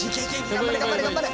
頑張れ頑張れ頑張れ！